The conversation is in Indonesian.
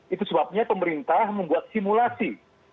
itu sebabnya pemerintah membuat simulasi